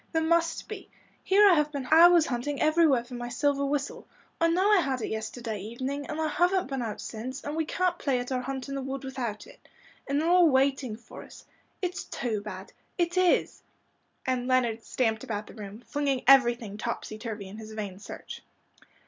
There must be. Here have I been hours hunting everywhere for my silver whistle. I know I had it yesterday evening, and I haven't been out since, and we can't play at our hunt in the wood without it. And they're all waiting for us. It's too bad it is," and Leonard stamped about the room, flinging everything topsy turvy in his vain search.